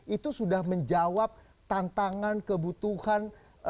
itu sudah menjawab tantangan kebutuhan